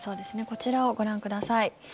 こちらをご覧ください。